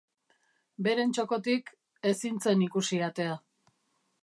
Beren txokotik, ezin zen ikusi atea.